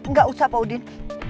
enggak usah pak udin